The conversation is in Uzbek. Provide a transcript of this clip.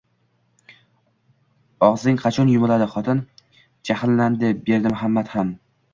-Og’zing qachon yumiladi, xotin?! – Jahllandi Berdimamat ham.